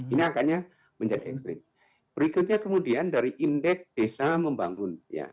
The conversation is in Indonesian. ini angkanya menjadi ekstrim berikutnya kemudian dari indeks desa membangun